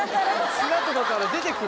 砂とかから出てくる・